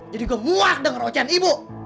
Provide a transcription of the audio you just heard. jadi gue muak denger wajah ibu